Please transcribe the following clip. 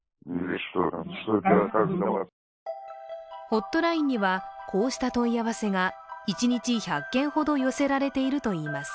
ホットラインには、こうした問い合わせが一日１００件ほど寄せられているといいます。